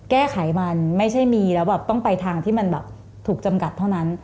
แก้ไขมันไม่ใช่มีแล้วแบบต้องไปทางที่มันแบบถูกจำกัดเท่านั้น